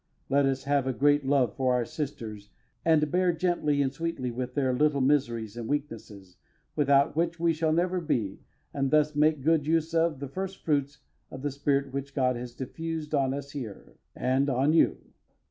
Let us have a great love for our Sisters and bear gently and sweetly with their little miseries and weaknesses, without which we shall never be, and thus make good use of the first fruits of the spirit which God has diffused on us here, and on you.